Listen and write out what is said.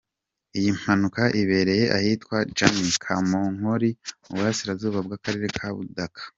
Iyi mpanuka ibereye ahitwa Jami, Kamonkoli mu burasirazuba bw’akarere ka Budaka.